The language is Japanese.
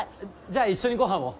じゃあ一緒にご飯を。